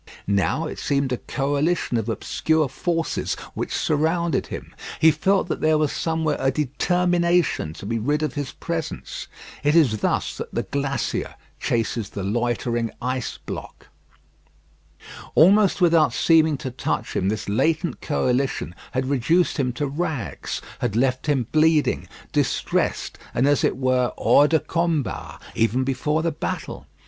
Now it seemed a coalition of obscure forces which surrounded him. He felt that there was somewhere a determination to be rid of his presence. It is thus that the glacier chases the loitering ice block. Almost without seeming to touch him this latent coalition had reduced him to rags; had left him bleeding, distressed, and, as it were, hors de combat, even before the battle.